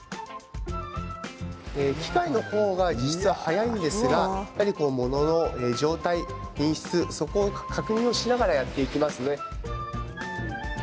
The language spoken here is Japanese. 機械の方が実は早いんですがものの状態、品質、そこを確認しながらやっていきます。